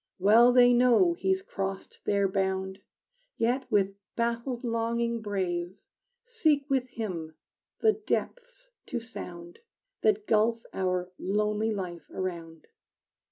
Well they know he's crossed their bound, Yet, with baffled longing brave, Seek with him the depths to sound That gulf our lonely life around.